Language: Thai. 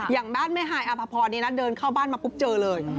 อย่างบ้านแม่ฮายอภพรนี่นะเดินเข้าบ้านมาปุ๊บเจอเลย